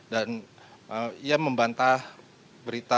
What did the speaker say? dan ia membantah berita